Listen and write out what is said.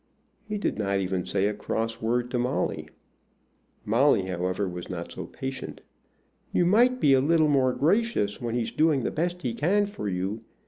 He did not even say a cross word to Molly. Molly, however, was not so patient. "You might be a little more gracious when he's doing the best he can for you.